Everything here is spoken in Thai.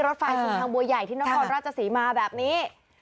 รถไฟซุนทางบัวใหญ่ที่น้ำคอลราชศิมร์มาแบบนี้